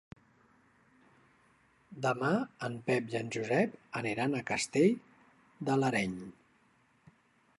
Demà en Pep i en Josep aniran a Castell de l'Areny.